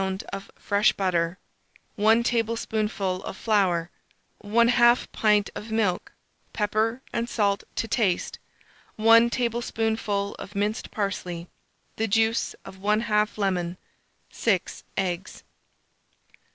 of fresh butter, 1 tablespoonful of flour, 1/2 pint of milk, pepper and salt to taste, 1 tablespoonful of minced parsley, the juice of 1/2 lemon, 6 eggs.